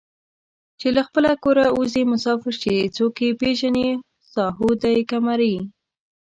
چې له خپله کوره اوځي مسافر شي څوک یې پېژني ساهو دی که مریی